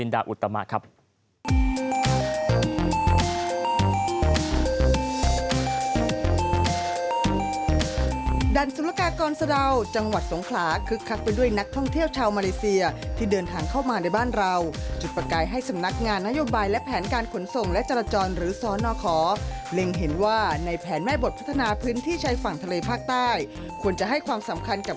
เดี๋ยวตามจากรายงานของคุณลินดาอุตามาครับ